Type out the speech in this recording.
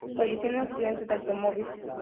Falleció en accidente de automóvil.